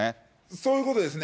そういうことですね。